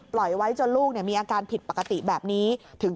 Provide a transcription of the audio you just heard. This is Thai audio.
ปล่อยไว้จนลูกมีอาการผิดปกติแบบนี้